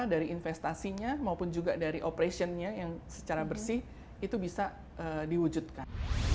dari investasinya maupun juga dari operationnya yang secara bersih itu bisa diwujudkan